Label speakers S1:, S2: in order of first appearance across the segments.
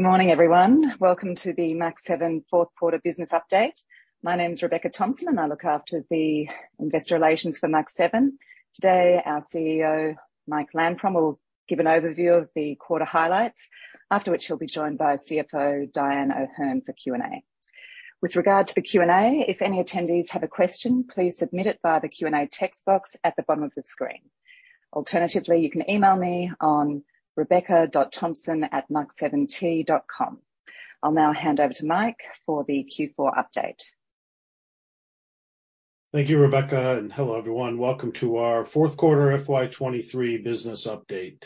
S1: Good morning, everyone. Welcome to the Mach7 Fourth Quarter Business Update. My name is Rebecca Thompson, and I look after the investor relations for Mach7. Today, our CEO, Mike Lampron, will give an overview of the quarter highlights, after which he'll be joined by CFO Dyan O'Herne for Q&A. With regard to the Q&A, if any attendees have a question, please submit it via the Q&A text box at the bottom of the screen. Alternatively, you can email me on rebecca.thompson@mach7t.com. I'll now hand over to Mike for the Q4 update.
S2: Thank you, Rebecca, and hello, everyone. Welcome to our Fourth Quarter FY2023 Business Update.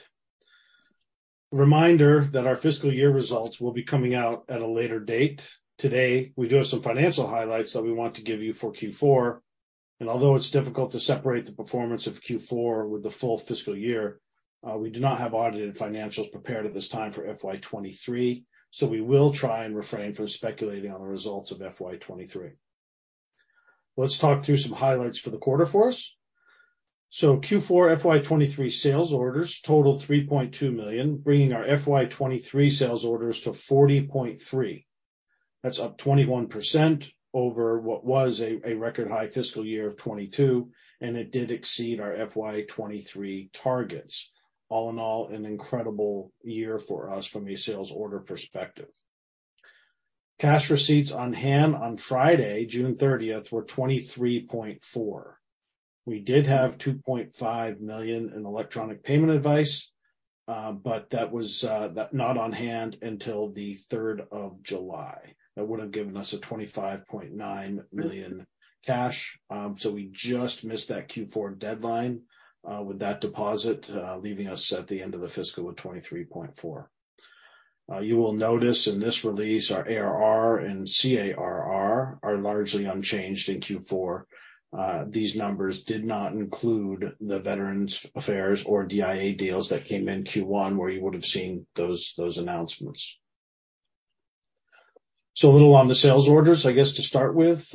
S2: Reminder that our fiscal year results will be coming out at a later date. Today, we do have some financial highlights that we want to give you for Q4, and although it's difficult to separate the performance of Q4 with the full fiscal year, we do not have audited financials prepared at this time for FY2023, so we will try and refrain from speculating on the results of FY2023. Let's talk through some highlights for the quarter for us. Q4 FY2023 sales orders totaled 3.2 million, bringing our FY2023 sales orders to 40.3 million. That's up 21% over what was a record high fiscal year 2022, and it did exceed our FY2023 targets. All in all, an incredible year for us from a sales order perspective. Cash receipts on hand on Friday, June 30th, were 23.4 million. We did have 2.5 million in electronic payment advice, but that was not on hand until the July 3rd. That would have given us a 25.9 million cash. We just missed that Q4 deadline with that deposit, leaving us at the end of the fiscal at 23.4 million. You will notice in this release, our ARR and CARR are largely unchanged in Q4. These numbers did not include the Veterans Affairs or DIA deals that came in Q1, where you would have seen those announcements. A little on the sales orders, I guess, to start with.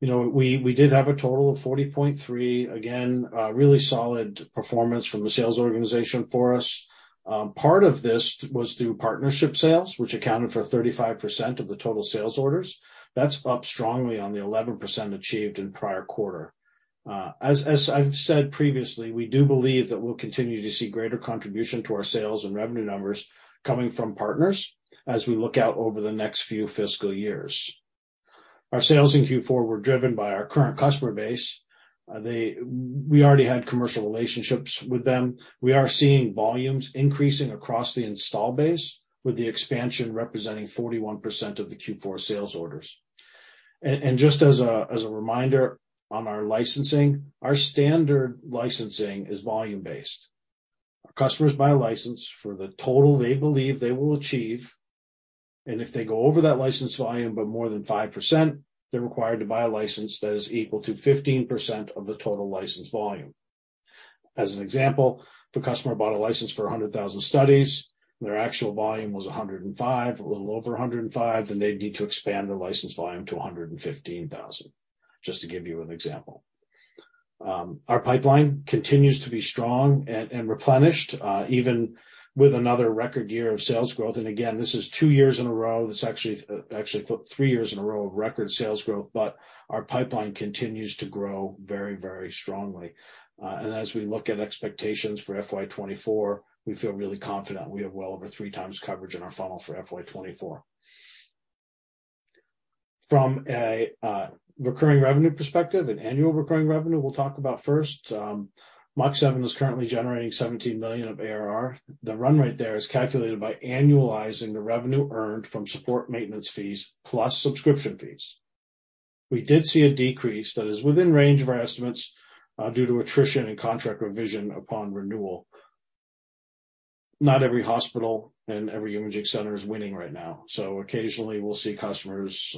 S2: You know, we, we did have a total of 40.3. Again, a really solid performance from the sales organization for us. Part of this was through partnership sales, which accounted for 35% of the total sales orders. That's up strongly on the 11% achieved in prior quarter. As, as I've said previously, we do believe that we'll continue to see greater contribution to our sales and revenue numbers coming from partners as we look out over the next few fiscal years. Our sales in Q4 were driven by our current customer base. We already had commercial relationships with them. We are seeing volumes increasing across the install base, with the expansion representing 41% of the Q4 sales orders. Just as a, as a reminder on our licensing, our standard licensing is volume-based. Our customers buy a license for the total they believe they will achieve, and if they go over that license volume by more than 5%, they're required to buy a license that is equal to 15% of the total license volume. As an example, if a customer bought a license for 100,000 studies, their actual volume was 105, a little over 105, then they'd need to expand their license volume to 115,000, just to give you an example. Our pipeline continues to be strong and, and replenished, even with another record year of sales growth. Again, this is two years in a row, that's actually, actually three years in a row of record sales growth. Our pipeline continues to grow very, very strongly. As we look at expectations for FY2024, we feel really confident. We have well over 3x coverage in our funnel for FY2024. From a recurring revenue perspective and annual recurring revenue, we'll talk about first. Mach7 is currently generating 17 million of ARR. The run rate there is calculated by annualizing the revenue earned from support maintenance fees plus subscription fees. We did see a decrease that is within range of our estimates due to attrition and contract revision upon renewal. Not every hospital and every imaging center is winning right now, so occasionally we'll see customers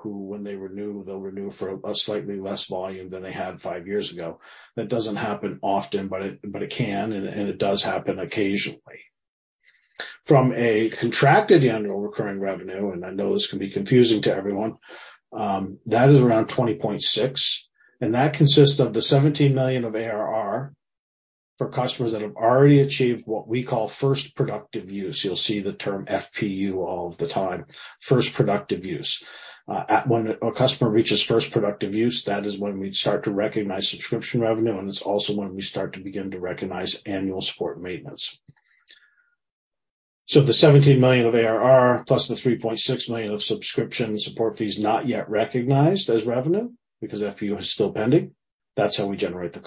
S2: who, when they renew, they'll renew for a slightly less volume than they had five years ago. That doesn't happen often, but it, but it can, and, and it does happen occasionally. From a contracted annual recurring revenue, and I know this can be confusing to everyone, that is around 20.6, and that consists of the 17 million of ARR for customers that have already achieved what we call First Productive Use. You'll see the term FPU all of the time, First Productive Use. When a customer reaches First Productive Use, that is when we'd start to recognize subscription revenue, and it's also when we start to begin to recognize annual support maintenance. The 17 million of ARR, plus the 3.6 million of subscription support fees, not yet recognized as revenue because FPU is still pending. That's how we generate the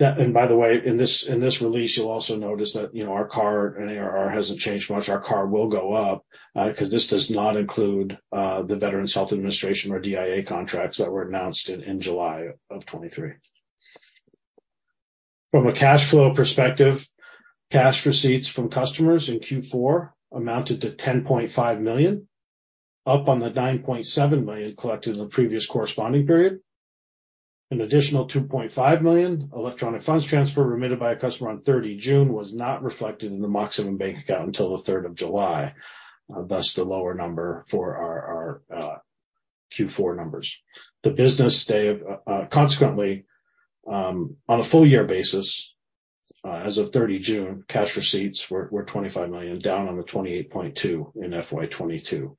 S2: CARR. By the way, in this, in this release, you'll also notice that, you know, our CARR and ARR hasn't changed much. Our CARR will go up, because this does not include, the Veterans Health Administration or DIA contracts that were announced in, in July of 2023. From a cash flow perspective, cash receipts from customers in Q4 amounted to 10.5 million, up on the 9.7 million collected in the previous corresponding period. An additional 2.5 million electronic funds transfer remitted by a customer on June 30 was not reflected in the Mach7 bank account until the July 3rd. Thus, the lower number for our Q4 numbers. The business day, consequently-... On a full year basis, as of June 30, cash receipts were 25 million, down on the 28.2 million in FY2022,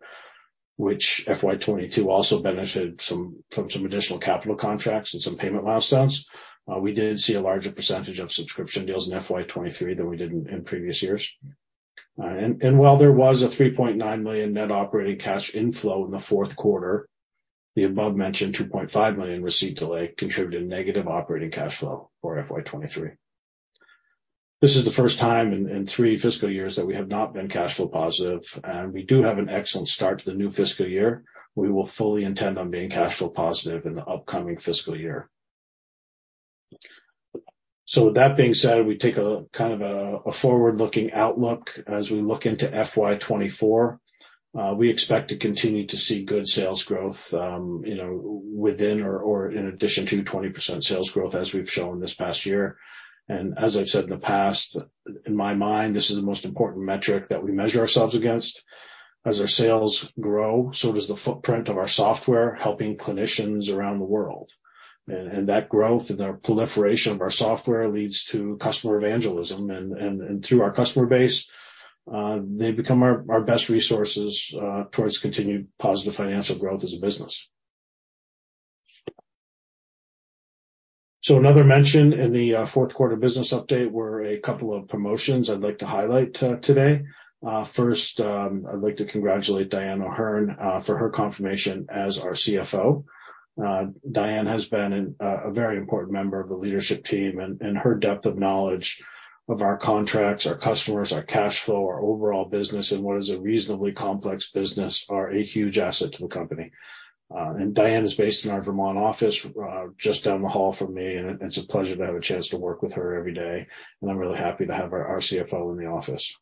S2: which FY2022 also benefited some, from some additional capital contracts and some payment milestones. We did see a larger percentage of subscription deals in FY2023 than we did in previous years. While there was a 3.9 million net operating cash inflow in the fourth quarter, the above-mentioned 2.5 million receipt delay contributed negative operating cash flow for FY2023. This is the first time in three fiscal years that we have not been cash flow positive, we do have an excellent start to the new fiscal year. We will fully intend on being cash flow positive in the upcoming fiscal year. With that being said, we take a kind of a forward-looking outlook as we look into FY2024. We expect to continue to see good sales growth, you know, within or in addition to 20% sales growth as we've shown this past year. As I've said in the past, in my mind, this is the most important metric that we measure ourselves against. As our sales grow, so does the footprint of our software, helping clinicians around the world. That growth and our proliferation of our software leads to customer evangelism, and through our customer base, they become our best resources towards continued positive financial growth as a business. Another mention in the fourth quarter business update were a couple of promotions I'd like to highlight today. First, I'd like to congratulate Dyan O'Herne for her confirmation as our CFO. Dyan has been an a very important member of the leadership team, and her depth of knowledge of our contracts, our customers, our cash flow, our overall business, in what is a reasonably complex business, are a huge asset to the company. Dyan is based in our Vermont office, just down the hall from me, and it's a pleasure to have a chance to work with her every day, and I'm really happy to have our CFO in the office.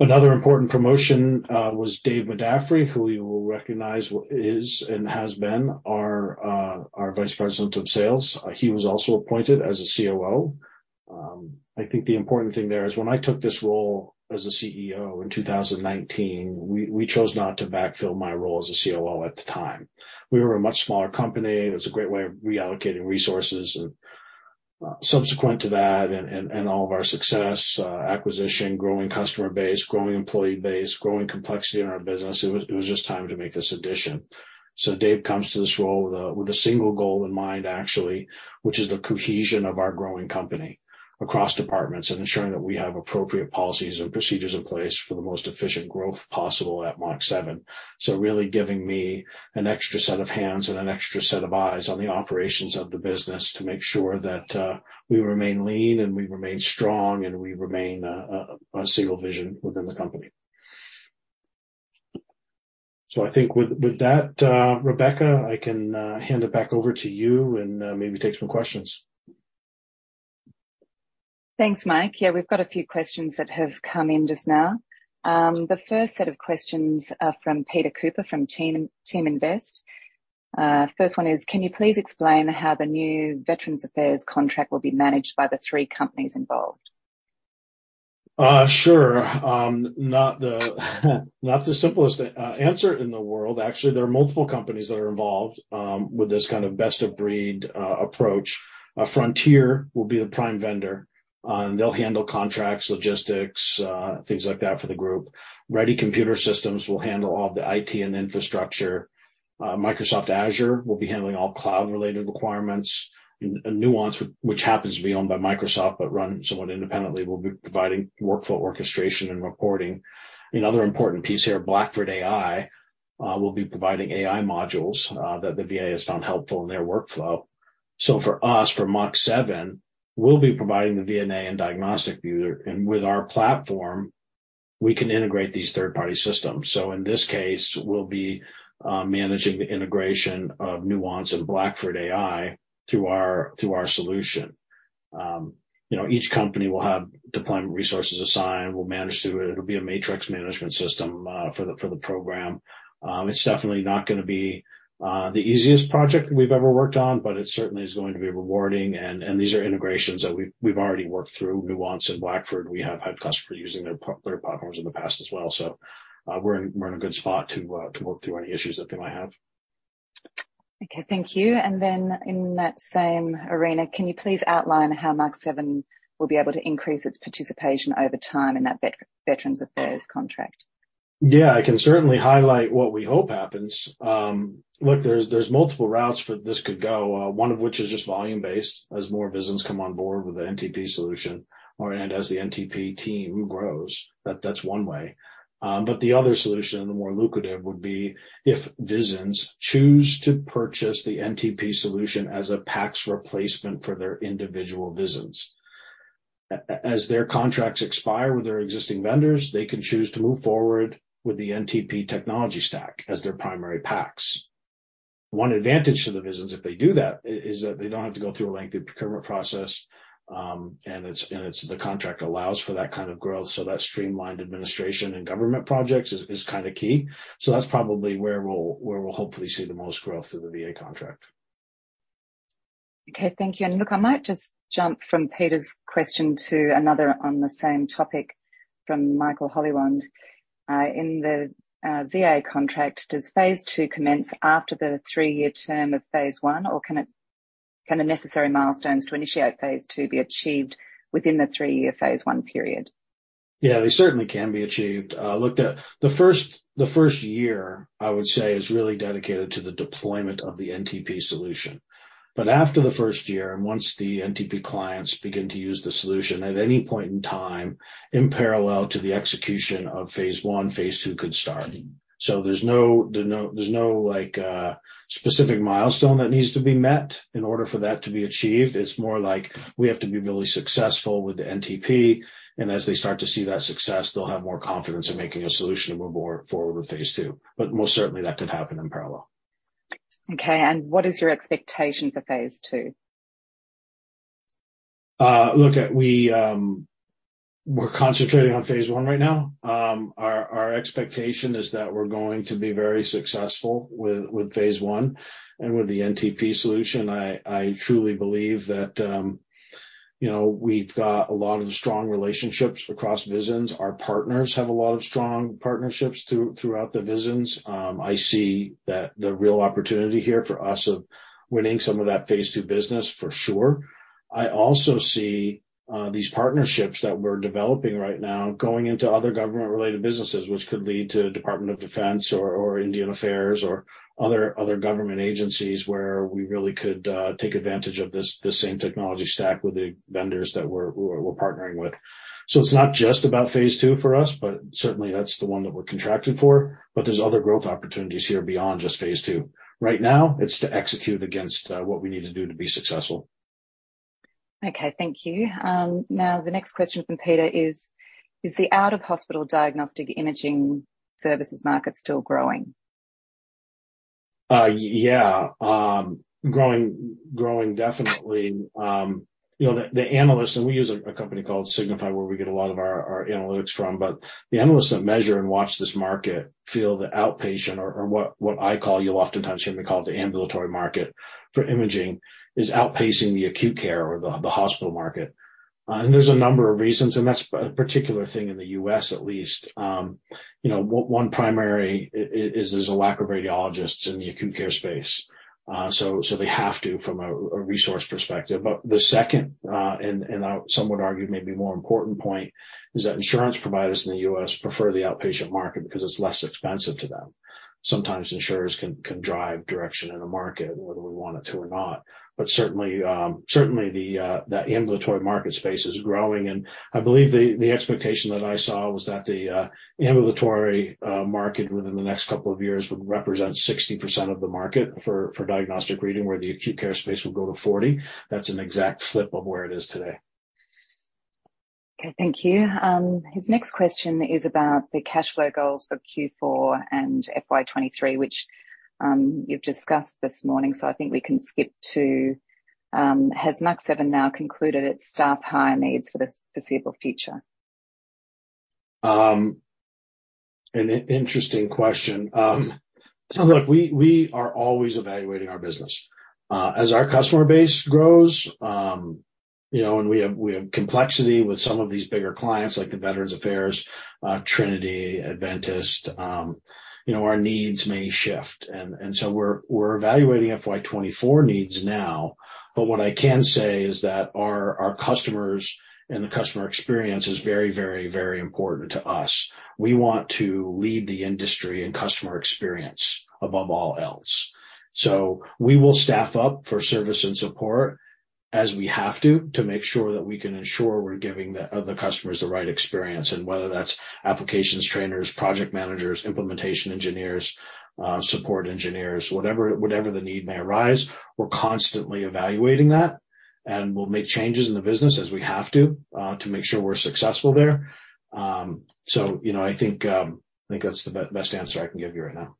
S2: Another important promotion was Dave McDuffie, who you will recognize is and has been our Vice President of Sales. He was also appointed as a COO. I think the important thing there is when I took this role as a CEO in 2019, we, we chose not to backfill my role as a COO at the time. We were a much smaller company. It was a great way of reallocating resources, and, subsequent to that and, and, and all of our success, acquisition, growing customer base, growing employee base, growing complexity in our business, it was, it was just time to make this addition. Dave comes to this role with a, with a single goal in mind, actually, which is the cohesion of our growing company across departments and ensuring that we have appropriate policies and procedures in place for the most efficient growth possible at Mach7. Really giving me an extra set of hands and an extra set of eyes on the operations of the business to make sure that we remain lean, and we remain strong, and we remain a, a, a single vision within the company. I think with, with that, Rebecca, I can hand it back over to you and maybe take some questions.
S1: Thanks, Mike. Yeah, we've got a few questions that have come in just now. The first set of questions are from Peter Cooper, from Teaminvest. First one is: Can you please explain how the new Veterans Affairs contract will be managed by the three companies involved?
S2: Sure. Not the, not the simplest answer in the world. Actually, there are multiple companies that are involved with this kind of best-of-breed approach. Frontier will be the prime vendor, and they'll handle contracts, logistics, things like that for the group. Ready Computer Systems will handle all the IT and infrastructure. Microsoft Azure will be handling all cloud-related requirements. Nuance, which happens to be owned by Microsoft, but run somewhat independently, will be providing workflow, orchestration, and reporting. Another important piece here, Blackford AI, will be providing AI modules that the VA has found helpful in their workflow. For us, for Mach7, we'll be providing the VNA and diagnostic viewer, and with our platform, we can integrate these third-party systems. In this case, we'll be managing the integration of Nuance and Blackford AI through our, through our solution. You know, each company will have deployment resources assigned. We'll manage through it. It'll be a matrix management system for the program. It's definitely not gonna be the easiest project we've ever worked on, but it certainly is going to be rewarding, and, and these are integrations that we've, we've already worked through. Nuance and Blackford, we have had customers using their p- their platforms in the past as well. We're in, we're in a good spot to work through any issues that they might have.
S1: Okay. Thank you. Then in that same arena, can you please outline how Mach7 will be able to increase its participation over time in that Veterans Affairs contract?
S2: Yeah, I can certainly highlight what we hope happens. Look, there's multiple routes for this could go, one of which is just volume-based, as more business come on board with the NTP solution or, and as the NTP team grows. That's one way. The other solution, the more lucrative, would be if business choose to purchase the NTP solution as a PACS replacement for their individual business. As their contracts expire with their existing vendors, they can choose to move forward with the NTP technology stack as their primary PACS. One advantage to the business, if they do that, is that they don't have to go through a lengthy procurement process, and it's the contract allows for that kind of growth, so that streamlined administration and government projects is kind of key. That's probably where we'll, where we'll hopefully see the most growth in the VA contract.
S1: Okay, thank you. Look, I might just jump from Peter's question to another on the same topic from Michael Hollingworth. In the VA contract, does phase II commence after the three-year term of phase I, or can the necessary milestones to initiate phase II be achieved within the three-year phase I period?
S2: Yeah, they certainly can be achieved. look, the, the first, the first year, I would say, is really dedicated to the deployment of the NTP solution. After the first year, and once the NTP clients begin to use the solution at any point in time, in parallel to the execution of phase I, phase II could start. There's no, there's no, there's no specific milestone that needs to be met in order for that to be achieved. It's more like we have to be really successful with the NTP, and as they start to see that success, they'll have more confidence in making a solution to move more forward with phase II. Most certainly, that could happen in parallel.
S1: Okay, what is your expectation for phaseII?
S2: Look, we're concentrating on phase I right now. Our expectation is that we're going to be very successful with phase I and with the NTP solution. I truly believe that, you know, we've got a lot of strong relationships across VISN. Our partners have a lot of strong partnerships throughout the VISNs. I see that the real opportunity here for us of winning some of that phase II business for sure. I also see these partnerships that we're developing right now going into other government-related businesses, which could lead to Department of Defense or Indian Affairs or other government agencies where we really could take advantage of this, the same technology stack with the vendors that we're partnering with. It's not just about phase II for us, but certainly that's the one that we're contracted for, but there's other growth opportunities here beyond just phase II. Right now, it's to execute against what we need to do to be successful.
S1: Okay, thank you. The next question from Peter is: Is the out-of-hospital diagnostic imaging services market still growing?
S2: Yeah. Growing, growing, definitely. You know, the analysts, and we use a company called Signify, where we get a lot of our analytics from, but the analysts that measure and watch this market feel the outpatient or, what I call you'll oftentimes hear me call the ambulatory market for imaging, is outpacing the acute care or the hospital market. There's a number of reasons, and that's a particular thing in the U.S. at least. You know, one primary is, there's a lack of radiologists in the acute care space. So, they have to, from a resource perspective. The second, and some would argue maybe more important point is that insurance providers in the U.S. prefer the outpatient market because it's less expensive to them. Sometimes insurers can, can drive direction in a market, whether we want it to or not. Certainly, certainly the that ambulatory market space is growing, and I believe the, the expectation that I saw was that the ambulatory market within the next couple of years would represent 60% of the market for, for diagnostic reading, where the acute care space will go to 40%. That's an exact flip of where it is today.
S1: Okay, thank you. His next question is about the cash flow goals for Q4 and FY2023, which you've discussed this morning, so I think we can skip to, has Mach7 now concluded its staff hire needs for the foreseeable future?
S2: An interesting question. look, we, we are always evaluating our business. as our customer base grows, you know, and we have, we have complexity with some of these bigger clients, like the Veterans Affairs, Trinity, Adventist, you know, our needs may shift. So we're, we're evaluating FY2024 needs now, but what I can say is that our, our customers and the customer experience is very, very, very important to us. We want to lead the industry in customer experience above all else. We will staff up for service and support as we have to, to make sure that we can ensure we're giving the, the customers the right experience, and whether that's applications, trainers, project managers, implementation engineers, support engineers, whatever, whatever the need may arise, we're constantly evaluating that, and we'll make changes in the business as we have to, to make sure we're successful there. So, you know, I think, I think that's the best answer I can give you right now.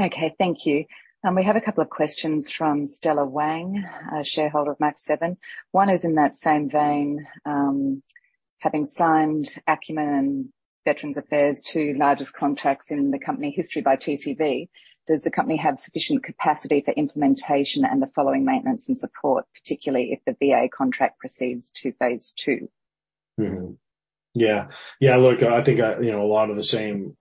S1: Okay, thank you. We have two questions from Stella Wang, a shareholder of Mach7. One is in that same vein: Having signed Akumin and Veterans Affairs, two largest contracts in the company history by TCV, does the company have sufficient capacity for implementation and the following maintenance and support, particularly if the V.A. contract proceeds to phase II?
S2: Look, I think, you know, a lot of the same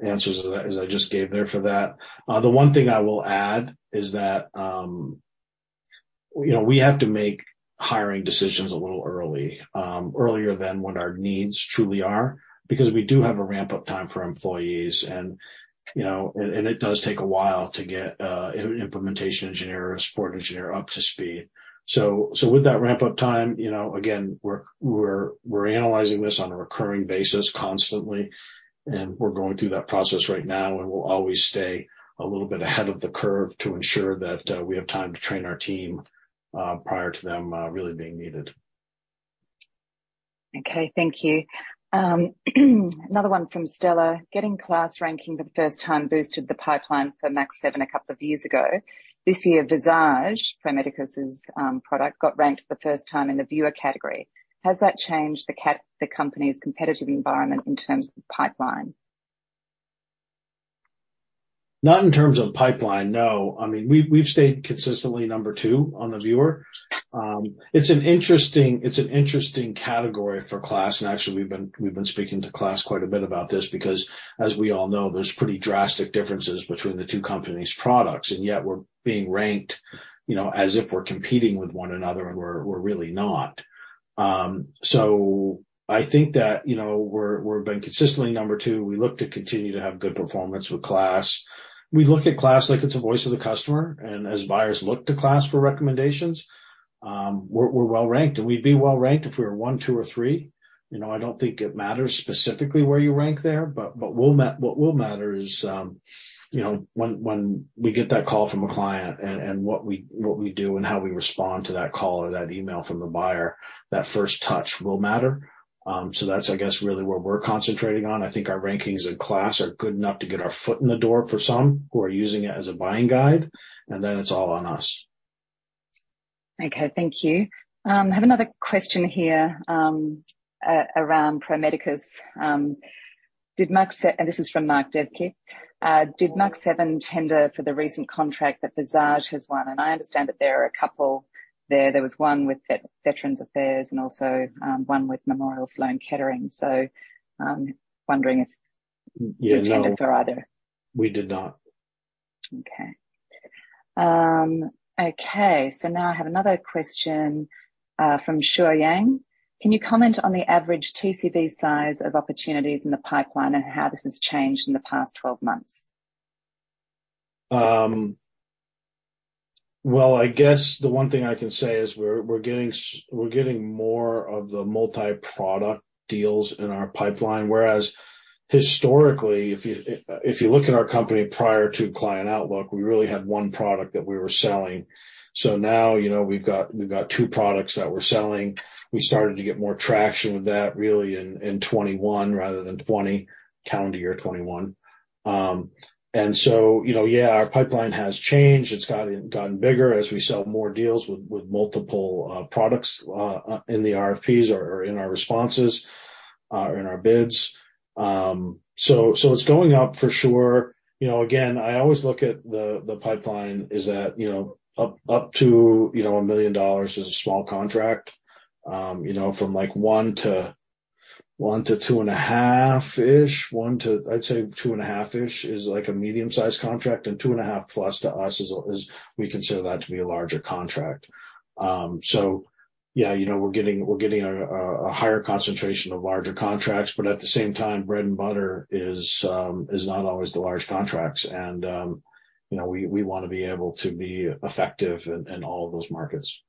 S2: answers as I, as I just gave there for that. The one thing I will add is that, you know, we have to make hiring decisions a little early, earlier than what our needs truly are, because we do have a ramp-up time for employees and, you know, and, and it does take a while to get implementation engineer or a support engineer up to speed. With that ramp-up time, you know, again, we're, we're, we're analyzing this on a recurring basis constantly, and we're going through that process right now, and we'll always stay a little bit ahead of the curve to ensure that we have time to train our team prior to them really being needed.
S1: Okay, thank you. Another one from Stella: Getting class ranking for the first time boosted the pipeline for Mach7 a couple of years ago. This year, Visage, Pro Medicus's product, got ranked for the first time in the viewer category. Has that changed the company's competitive environment in terms of pipeline? ...
S2: Not in terms of pipeline, no. I mean, we've, we've stayed consistently number two on the viewer. It's an interesting, it's an interesting category for KLAS, and actually, we've been, we've been speaking to KLAS quite a bit about this because, as we all know, there's pretty drastic differences between the two companies' products, and yet we're being ranked, you know, as if we're competing with one another, and we're, we're really not. So I think that, you know, we're, we're being consistently number two. We look to continue to have good performance with KLAS. We look at KLAS like it's a voice of the customer, and as buyers look to KLAS for recommendations, we're, we're well ranked, and we'd be well ranked if we were one, two, or three. You know, I don't think it matters specifically where you rank there, but, but what will what will matter is, you know, when, when we get that call from a client and, and what we, what we do and how we respond to that call or that email from the buyer, that first touch will matter. That's, I guess, really where we're concentrating on. I think our rankings in KLAS are good enough to get our foot in the door for some who are using it as a buying guide, and then it's all on us.
S1: Okay, thank you. I have another question here, around Pro Medicus', and this is from Mark Devic. Did Mach7 tender for the recent contract that Visage has won? I understand that there are a couple there. There was one with U.S. Department of Veterans Affairs and also, one with Memorial Sloan Kettering Cancer Center. Wondering if-
S2: Yeah, no.
S1: You tended for either.
S2: We did not.
S1: Okay. Now I have another question from Shuo Yang. Can you comment on the average TCV size of opportunities in the pipeline and how this has changed in the past 12 months?
S2: Well, I guess the one thing I can say is we're, we're getting more of the multi-product deals in our pipeline, whereas historically, if you, if, if you look at our company prior to Client Outlook, we really had one product that we were selling. Now, you know, we've got, we've got two products that we're selling. We started to get more traction with that really in 2021 rather than 2020, calendar year 2021. You know, yeah, our pipeline has changed. It's gotten, gotten bigger as we sell more deals with, with multiple products in the RFPs or in our responses in our bids. It's going up for sure. You know, again, I always look at the, the pipeline, is that, you know, up, up to, you know, 1 million dollars is a small contract. You know, from, like, one to, one to two and a half-ish, one to, I'd say two and a half-ish is, like, a medium-sized contract, and two and a half plus to us is a, is we consider that to be a larger contract. Yeah, you know, we're getting, we're getting a, a, a higher concentration of larger contracts, but at the same time, bread and butter is not always the large contracts, and, you know, we, we wanna be able to be effective in, in all of those markets.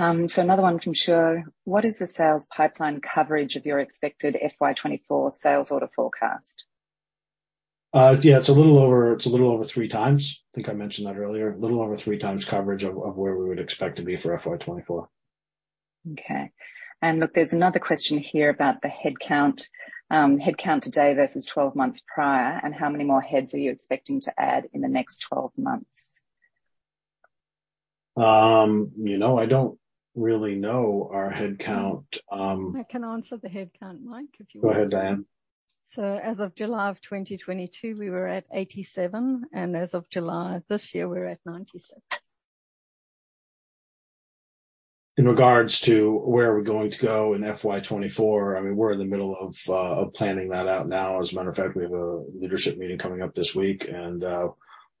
S1: Okay. Another one from Shuo: What is the sales pipeline coverage of your expected FY2024 sales order forecast?
S2: Yeah, it's a little over... It's a little over 3x. I think I mentioned that earlier. A little over 3x coverage of, of where we would expect to be for FY2024.
S1: Okay. Look, there's another question here about the headcount, headcount today versus 12 months prior, and how many more heads are you expecting to add in the next 12 months?
S2: you know, I don't really know our headcount.
S3: I can answer the headcount, Mike, if you want.
S2: Go ahead, Dyan.
S3: As of July of 2022, we were at 87, and as of July this year, we're at 97.
S2: In regards to where are we going to go in FY2024, I mean, we're in the middle of planning that out now. As a matter of fact, we have a leadership meeting coming up this week,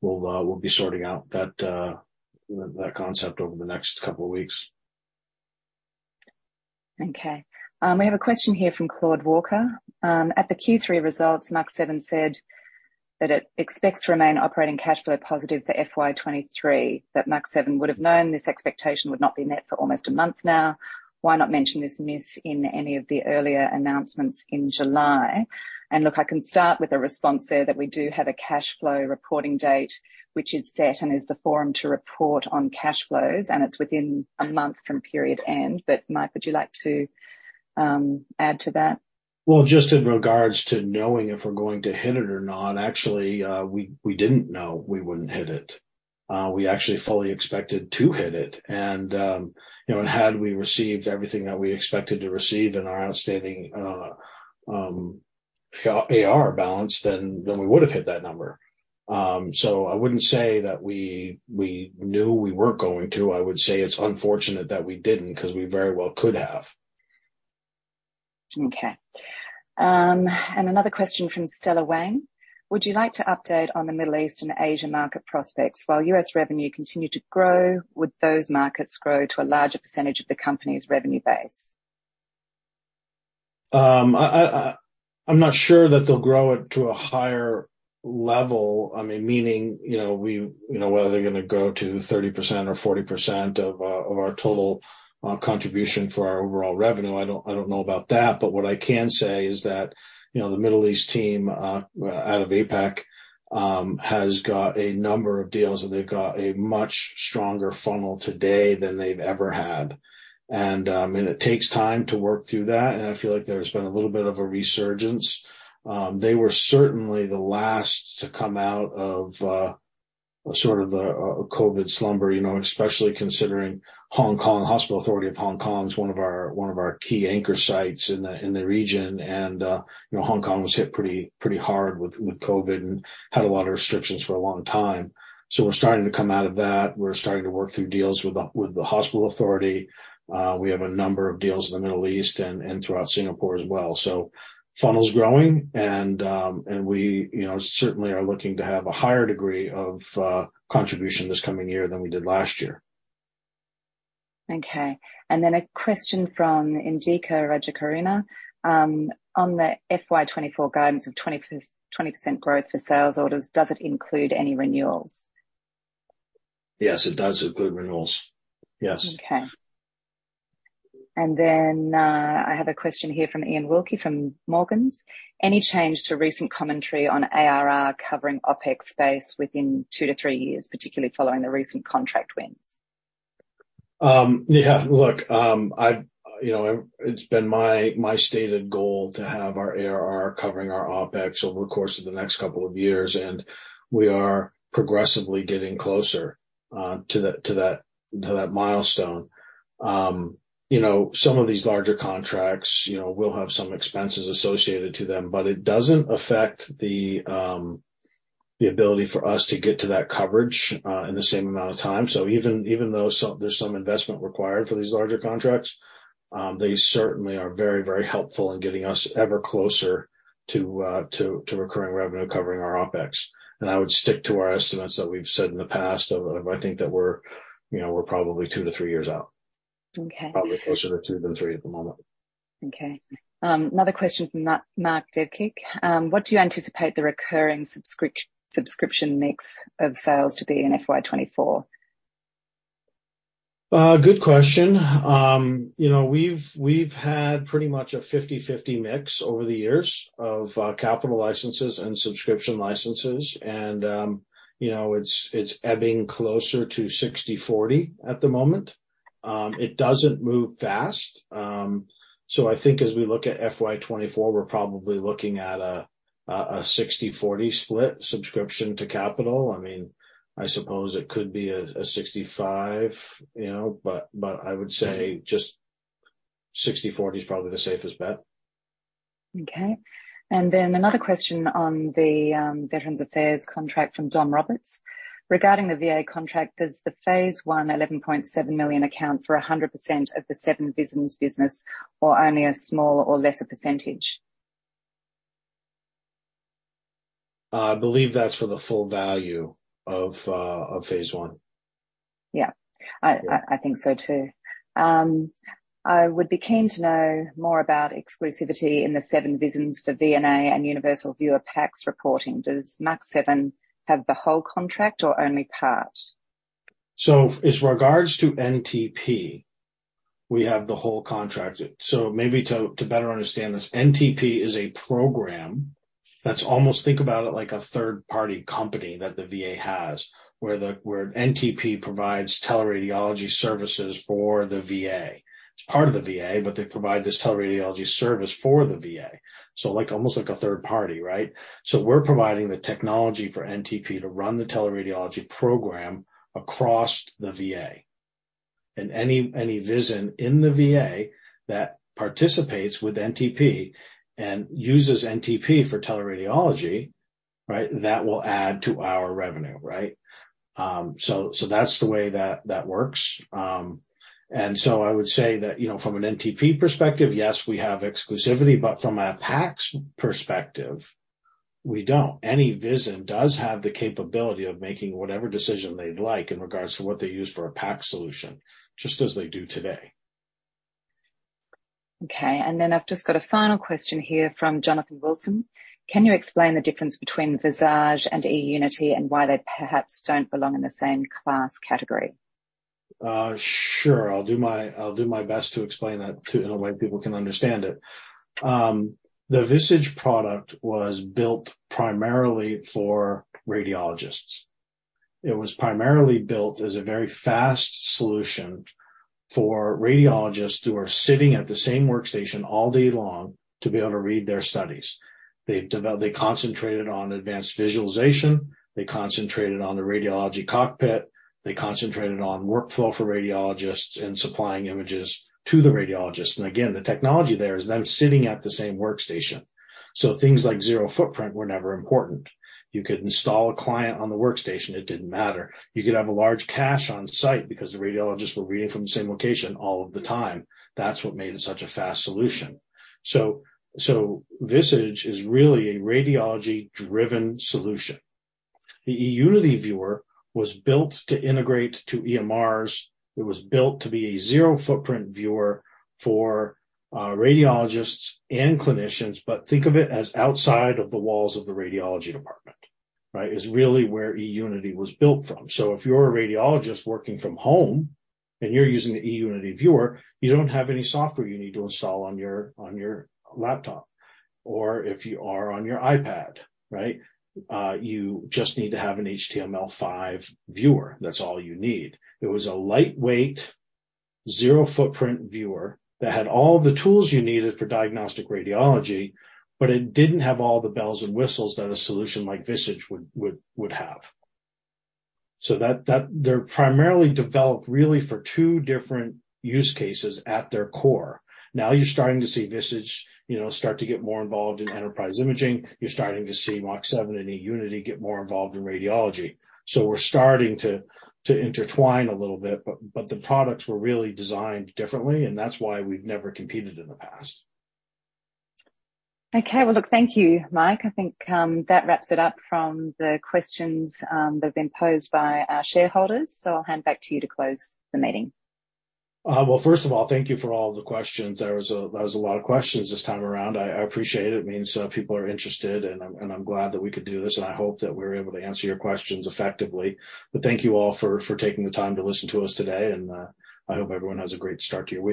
S2: we'll be sorting out that concept over the next couple of weeks.
S1: Okay. We have a question here from Claude Walker. At the Q3 results, Mach7 said that it expects to remain operating cash flow positive for FY2023, that Mach7 would have known this expectation would not be met for almost a month now. Why not mention this miss in any of the earlier announcements in July? Look, I can start with a response there, that we do have a cash flow reporting date, which is set and is the forum to report on cash flows, and it's within a month from period end. Mike, would you like to add to that?
S2: Well, just in regards to knowing if we're going to hit it or not, actually, we, we didn't know we wouldn't hit it. We actually fully expected to hit it, and, you know, and had we received everything that we expected to receive in our outstanding ARR balance, we would have hit that number. I wouldn't say that we, we knew we weren't going to. I would say it's unfortunate that we didn't because we very well could have.
S1: Okay. Another question from Stella Wang: Would you like to update on the Middle East and Asia market prospects? While U.S. revenue continued to grow, would those markets grow to a larger % of the company's revenue base?
S2: I, I, I'm not sure that they'll grow it to a higher level. I mean, meaning, you know, we, you know, whether they're gonna go to 30% or 40% of our total contribution for our overall revenue, I don't, I don't know about that. What I can say is that, you know, the Middle East team out of APAC has got a number of deals, and they've got a much stronger funnel today than they've ever had. It takes time to work through that, and I feel like there's been a little bit of a resurgence. They were certainly the last to come out of sort of the COVID slumber, you know, especially considering Hong Kong. Hospital Authority of Hong Kong is one of our, one of our key anchor sites in the, in the region, and, you know, Hong Kong was hit pretty, pretty hard with, with COVID and had a lot of restrictions for a long time. We're starting to come out of that. We're starting to work through deals with the, with the Hospital Authority. We have a number of deals in the Middle East and, and throughout Singapore as well. Funnel's growing and, and we, you know, certainly are looking to have a higher degree of contribution this coming year than we did last year.
S1: Okay. Then a question from Indika Rajakaruna on the FY2024 guidance of 20% growth for sales orders, does it include any renewals?
S2: Yes, it does include renewals. Yes.
S1: Okay. Then, I have a question here from Iain Wilkie from Morgans. Any change to recent commentary on ARR covering OpEx space within two to three years, particularly following the recent contract wins?
S2: Yeah, look, you know, it's been my, my stated goal to have our ARR covering our OpEx over the course of the next couple of years, and we are progressively getting closer to that, to that, to that milestone. You know, some of these larger contracts, you know, will have some expenses associated to them, but it doesn't affect the ability for us to get to that coverage in the same amount of time. Even, even though there's some investment required for these larger contracts, they certainly are very, very helpful in getting us ever closer to recurring revenue covering our OpEx. I would stick to our estimates that we've said in the past of, I think that we're, you know, we're probably two to three years out.
S1: Okay.
S2: Probably closer to two than three at the moment.
S1: Okay. Another question from Mark Devic. What do you anticipate the recurring subscription mix of sales to be in FY2024?
S2: Good question. You know, we've, we've had pretty much a 50/50 mix over the years of capital licenses and subscription licenses, and, you know, it's, it's ebbing closer to 60/40 at the moment. It doesn't move fast. I think as we look at FY2024, we're probably looking at a 60/40 split subscription to capital. I mean, I suppose it could be a 65, you know, but, but I would say just 60/40 is probably the safest bet.
S1: Okay. another question on the Veterans Affairs contract from Don Roberts. Regarding the VA contract, does the phase I, 11.7 million account for 100% of the Mach7 business, or only a smaller or lesser percentage?
S2: I believe that's for the full value of, of phase I.
S1: Yeah. I, I, I think so too. I would be keen to know more about exclusivity in the seven VISNs for VNA and universal viewer PACS reporting. Does Mach7 have the whole contract or only part?
S2: As regards to NTP, we have the whole contract. Maybe to, to better understand this, NTP is a program that's almost think about it like a third-party company that the VA has, where NTP provides teleradiology services for the VA. It's part of the VA, but they provide this teleradiology service for the VA, so like, almost like a third party, right? We're providing the technology for NTP to run the teleradiology program across the VA. Any, any VISN in the VA that participates with NTP and uses NTP for teleradiology, right, that will add to our revenue, right? That's the way that works. I would say that, you know, from an NTP perspective, yes, we have exclusivity, but from a PACS perspective, we don't. Any VISN does have the capability of making whatever decision they'd like in regards to what they use for a PACS solution, just as they do today.
S1: Okay, and then I've just got a final question here from Jonathan Wilson. Can you explain the difference between Visage and eUnity, and why they perhaps don't belong in the same class category?
S2: Sure. I'll do my, I'll do my best to explain that in a way people can understand it. The Visage product was built primarily for radiologists. It was primarily built as a very fast solution for radiologists who are sitting at the same workstation all day long to be able to read their studies. They concentrated on advanced visualization, they concentrated on the radiology cockpit, they concentrated on workflow for radiologists and supplying images to the radiologists. Again, the technology there is them sitting at the same workstation, so things like zero footprint were never important. You could install a client on the workstation, it didn't matter. You could have a large cache on site because the radiologists were reading from the same location all of the time. That's what made it such a fast solution. So Visage is really a radiology-driven solution. The eUnity viewer was built to integrate to EMRs. It was built to be a zero-footprint viewer for radiologists and clinicians, but think of it as outside of the walls of the radiology department, right? Is really where eUnity was built from. If you're a radiologist working from home and you're using the eUnity viewer, you don't have any software you need to install on your, on your laptop, or if you are on your iPad, right? You just need to have an HTML5 viewer. That's all you need. It was a lightweight, zero-footprint viewer that had all the tools you needed for diagnostic radiology, but it didn't have all the bells and whistles that a solution like Visage would, would, would have. They're primarily developed really for two different use cases at their core. Now you're starting to see Visage, you know, start to get more involved in enterprise imaging. You're starting to see Mach7 and eUnity get more involved in radiology. We're starting to intertwine a little bit, but the products were really designed differently, and that's why we've never competed in the past.
S1: Okay. Well, look, thank you, Mike. I think that wraps it up from the questions that have been posed by our shareholders, so I'll hand back to you to close the meeting.
S2: Well, first of all, thank you for all the questions. There was a lot of questions this time around. I appreciate it. It means people are interested, and I'm glad that we could do this, and I hope that we're able to answer your questions effectively. Thank you all for taking the time to listen to us today, and I hope everyone has a great start to your week.